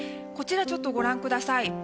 こちら、ご覧ください。